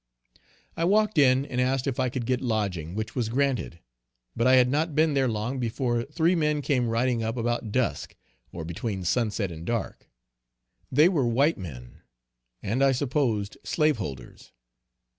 I walked in and asked if I could get lodging, which was granted; but I had not been there long before three men came riding up about dusk, or between sunset and dark. They were white men, and I supposed slaveholders.